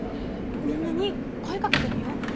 みんなに声かけてみよう。